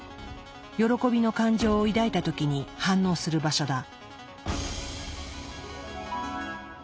喜びの感情を抱いた時に反応する場所だ。